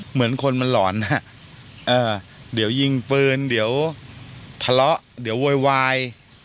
เหมือนคนมันหลอนฮะเดี๋ยวยิงปืนเดี๋ยวทะเลาะเดี๋ยวโวยวาย